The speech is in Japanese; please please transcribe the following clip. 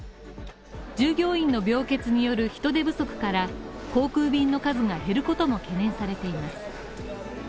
従業員の病欠による人手不足から、航空便の数が減ることも懸念されています。